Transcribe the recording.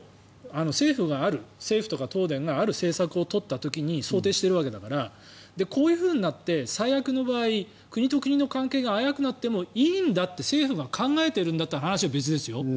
政府とか東電がある政策を取った時に想定しているわけだからこういうふうになって最悪の場合、国と国の関係が危うくなってもいいんだと政府が考えているんだったら話は別ですよ。